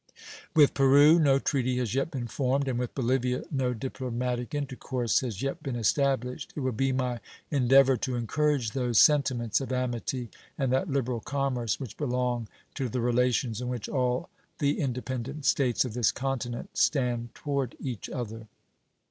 With Peru no treaty has yet been formed, and with Bolivia no diplomatic intercourse has yet been established. It will be my endeavor to encourage those sentiments of amity and that liberal commerce which belong to the relations in which all the independent States of this continent stand toward each other.